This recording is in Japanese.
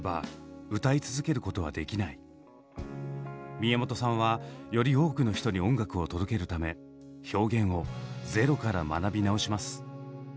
宮本さんはより多くの人に音楽を届けるため表現をゼロから学び直します。